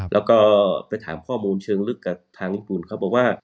แล้วก็ไปถามข้อมูลเชิงลึกกับทางญี่ปุ่นเขาบอกว่า